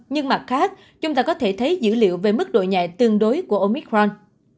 nhưng mặt khác chúng ta có thể thấy dữ liệu về mức độ nhẹ tương đối của omicron